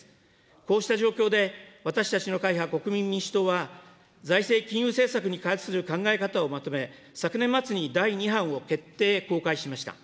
こうした状況で、私たちの会派、国民民主党は、財政金融政策に関する考え方をまとめ、昨年末に第２版を決定・公開しました。